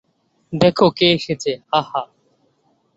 দ্যাখো কে এসেছে, হাহ!